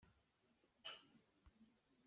Aa khawng mi an um maw?